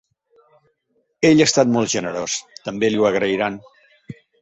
Ell ha estat molt generós: també li ho agrairan.